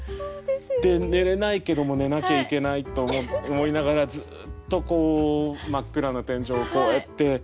で寝れないけども寝なきゃいけないと思いながらずっと真っ暗な天井をこうやって見てたんですね。